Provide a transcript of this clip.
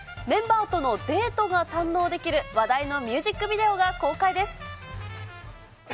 メンバーとのデートが堪能できる、話題のミュージックビデオが公開です。